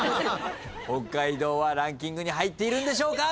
北海道はランキングに入っているんでしょうか？